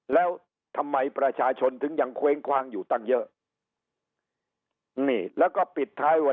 แล้วทำไมประชาชนยังเว้งควางอยู่ตั้งเยอะ